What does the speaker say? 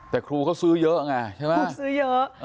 แต่ครูเขาซื้อเยอะไงใช่ไหมครูซื้อเยอะ